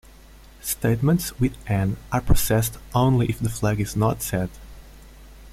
Statements with N are processed only if the flag is not set.